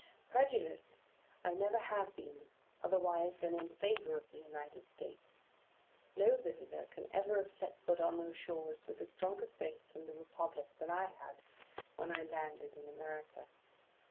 Prejudiced, I never have been otherwise than in favour of the United States. No visitor can ever have set foot on those shores, with a stronger faith in the Republic than I had, when I landed in America.